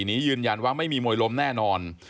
นี้ยืนยันว่าไม่มีมวยล้มแน่นอน